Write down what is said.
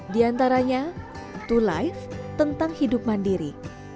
di antaranya to life tentang hidup mandiri